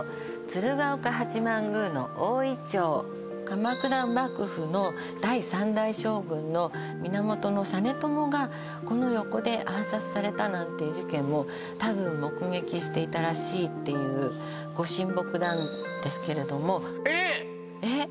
鎌倉幕府の第３代将軍の源実朝がこの横で暗殺されたなんていう事件もたぶん目撃していたらしいっていうご神木なんですけれどもえっ！